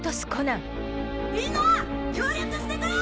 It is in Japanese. みんな！協力してくれ！